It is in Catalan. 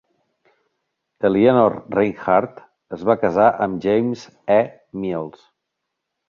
Eleanor Reinhardt es va casar amb James E. Mills.